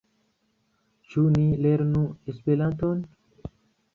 Ĉu ni lernu Esperanton?